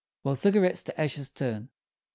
While Cigarettes to Ashes Turn I.